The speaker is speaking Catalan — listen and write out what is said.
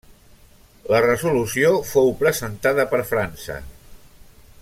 La resolució fou presentada per França.